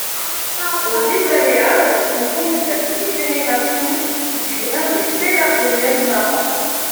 Aux îles Baléares, on compte jusqu'à six générations du brun des pélargoniums par an.